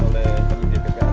kita ingin tidak menggitikannya